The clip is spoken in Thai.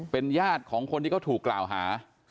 เป็นญาติของคนที่เขาถูกกล่าวหา